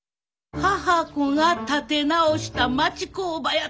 「母娘が立て直した町工場」やて。